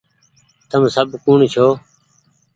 تم سب ڪوٚڻ ڇو